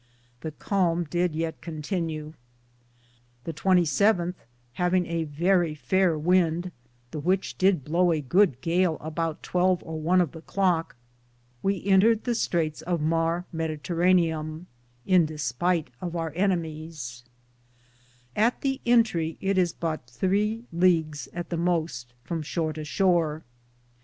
The calme did yeat continue. The 27, havinge a verrie fayer wynde, the which did blow a good gale aboute 12 or one of the clocke, we entered the straytes of Marie medeteranum in Dispite of our enymyes. At the entrie it is butt 3 Leages at the moste from shore to shore.